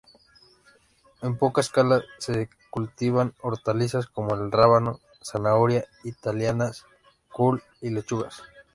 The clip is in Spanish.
En poca escala se cultivan hortalizas como el rábano, zanahoria, italianas, col y lechugas.